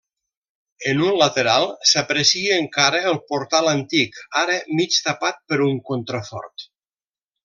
En un lateral s'aprecia encara el portal antic ara mig tapat per un contrafort.